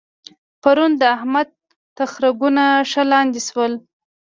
پرون د احمد تخرګونه ښه لانده شول.